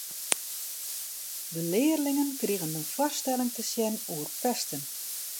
De learlingen krigen in foarstelling te sjen oer pesten.